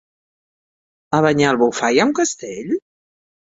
A Banyalbufar hi ha un castell?